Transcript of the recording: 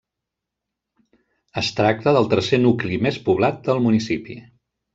Es tracta del tercer nucli més poblat del municipi.